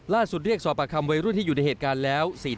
เรียกสอบประคำวัยรุ่นที่อยู่ในเหตุการณ์แล้ว